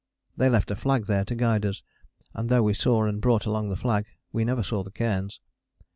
They left a flag there to guide us, and though we saw and brought along the flag, we never saw the cairns.